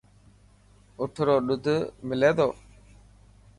اٺ رو ڏوڌ ملي تو؟